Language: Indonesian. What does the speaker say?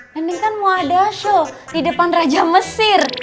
nenek kan mau ada show di depan raja mesir